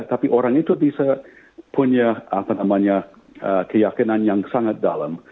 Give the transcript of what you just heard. tapi orang itu bisa punya keyakinan yang sangat dalam